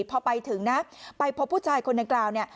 พอไปถึงนะไปพบผู้ชายคนดังกล่าวเนี่ย